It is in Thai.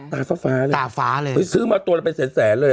ตาฟ้าฟ้าเลยตาฟ้าฟ้าเลยเฮ้ยซื้อมาตัวอะไรไปแสนแสนเลยอ่ะ